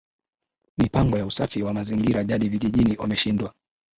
Mipango ya usafi wa mazingira jadi vijijini wameshindwa